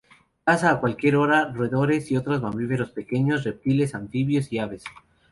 Caza a cualquier hora roedores y otros mamíferos pequeños, reptiles, anfibios y aves.